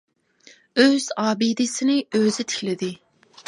ئۆز ئابىدىسىنى ئۆزى تىكلىدى !